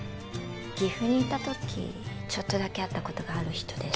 岐阜にいた時ちょっとだけ会ったことがある人です